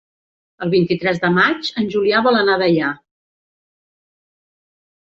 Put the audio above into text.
El vint-i-tres de maig en Julià vol anar a Deià.